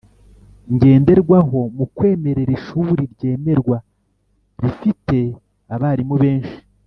ngenderwaho mu kwemerera Ishuri ryemerwa rifite abarimu benshi